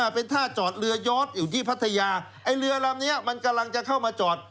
เป็นท่าจอดเรือย้อนอยู่ที่พัทยาไอ้เรือลำนี้มันกำลังจะเข้ามาจอด